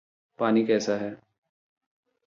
पानी कैसा है?